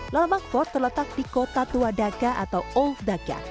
lalbagh fort terletak di kota tua dhaka atau old dhaka